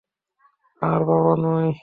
আর বাবা নয়।